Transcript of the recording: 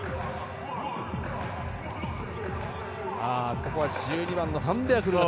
ここは１２番のファン・ベアクル。